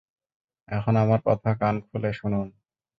এখন আমার কথা কান খুলে শুনুন।